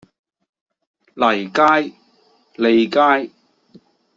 坭街、泥街